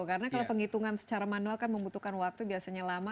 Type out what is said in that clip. karena kalau penghitungan secara manual kan membutuhkan waktu biasanya lama